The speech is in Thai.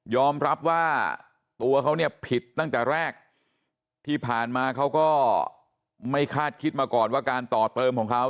รับว่าตัวเขาเนี่ยผิดตั้งแต่แรกที่ผ่านมาเขาก็ไม่คาดคิดมาก่อนว่าการต่อเติมของเขา